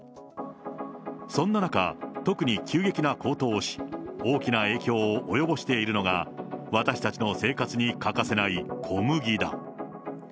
そんな中、特に急激な高騰をし、大きな影響を及ぼしているのが、私たちの生活に欠かせない小麦だ。